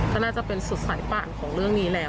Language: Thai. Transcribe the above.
ก็น่าจะเป็นสุดสายป่านของเรื่องนี้แล้ว